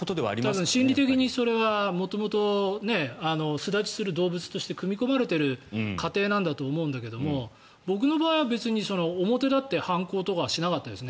ただ、心理的に元々、巣立ちする動物として組み込まれている過程なんだと思うんだけど僕の場合は別に表立って反抗とかはしなかったです。